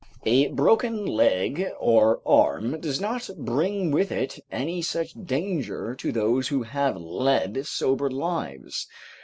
A broken leg or arm does not bring with it any such danger to those who have led sober lives.